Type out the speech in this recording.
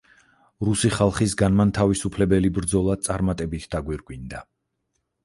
რუსი ხალხის განმანთავისუფლებელი ბრძოლა წარმატებით დაგვირგვინდა.